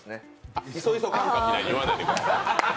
あっ、いそいそカンカンみたいに言わないでください。